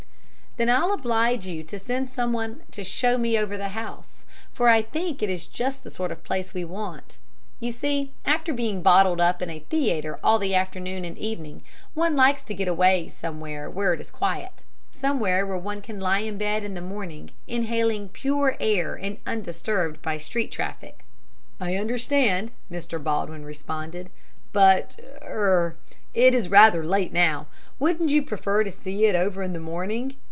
"Then I'll oblige you to send someone to show me over the house, for I think it is just the sort of place we want. You see, after being bottled up in a theatre all the afternoon and evening, one likes to get away somewhere where it is quiet somewhere where one can lie in bed in the morning inhaling pure air and undisturbed by street traffic." "I understand," Mr. Baldwin responded, "but er it is rather late now; wouldn't you prefer to see over it in the morning?